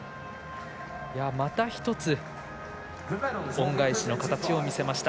また１つ、恩返しの形を見せました。